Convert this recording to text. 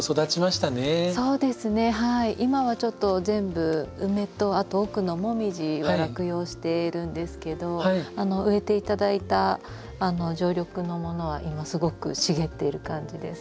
今はちょっと全部ウメと奥のモミジは落葉してるんですけど植えて頂いた常緑のものは今すごく茂っている感じです。